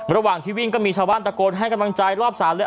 ระหว่างที่วิ่งก็มีชาวบ้านตะโกนให้กำลังใจรอบศาลเลย